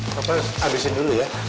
papa abisin dulu ya